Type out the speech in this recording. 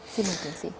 xin mời tiến sĩ